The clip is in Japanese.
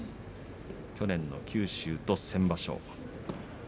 去年の九州と先場所。